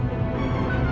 apaan sih ini